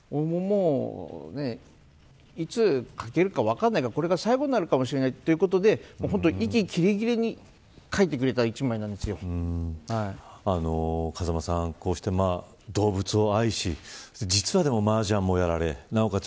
いつ描けるか分からないからこれが最後になるかもしれないということで息切れ切れに描いてくれた風間さん、こうして動物を愛し実は麻雀もやられなおかつ